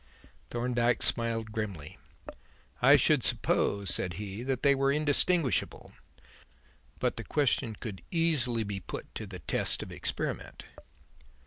Thorndyke smiled grimly. "I should suppose," said he, "that they were indistinguishable; but the question could easily be put to the test of experiment."